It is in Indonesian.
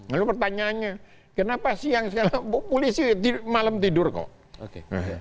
lalu pertanyaannya kenapa siang sekarang polisi malam tidur kok